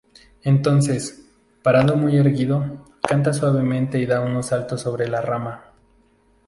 Entonces, parado muy erguido, canta suavemente y da unos saltos sobre la rama.